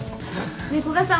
ねえ古賀さん